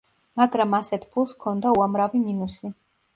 მაგრამ ასეთ ფულს ჰქონდა უამრავი მინუსი.